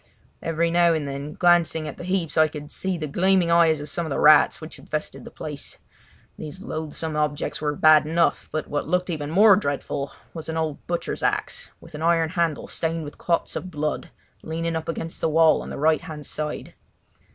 Every now and then, glancing at the heaps, I could see the gleaming eyes of some of the rats which infested the place. These loathsome objects were bad enough, but what looked even more dreadful was an old butcher's axe with an iron handle stained with clots of blood leaning up against the wall on the right hand side.